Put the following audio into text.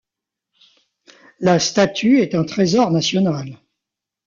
La statue est un trésor national.